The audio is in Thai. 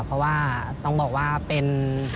เพราะว่าต้องบอกว่าเป็น